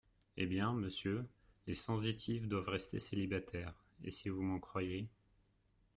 Eh bien, monsieur, les sensitives doivent rester célibataires, et si vous m’en croyez…